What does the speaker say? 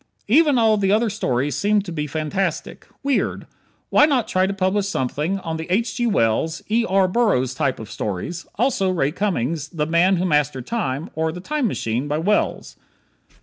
Even all the other stories seem to be fantastic. Weird. Why not try to publish something on the H. G. Wells, E. R. Burroughs type of stories, also Ray Cummings' "The Man who Mastered Time," or "The Time Machine," by Wells?